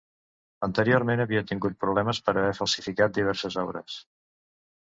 Anteriorment havia tingut problemes per haver falsificat diverses obres.